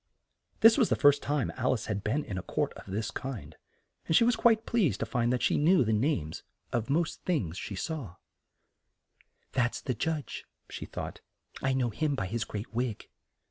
This was the first time Al ice had been in a court of this kind, and she was quite pleased to find that she knew the names of most things she saw there. "That's the judge," she thought, "I know him by his great wig."